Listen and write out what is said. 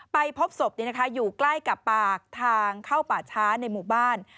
ไปพบศพอยู่ใกล้กับปากทางเข้าป่าช้าในหมู่บ้าน